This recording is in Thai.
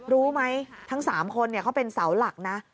รู้ไหมทั้ง๓คนเขาเป็นเสาหลักนะ